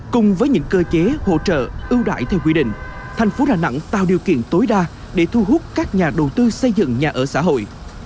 cùng với những cơ chế hỗ trợ ưu đại theo quy định thành phố đà nẵng tạo điều kiện tối đa để thu hút các nhà đầu tư xây dựng nhà ở xã hội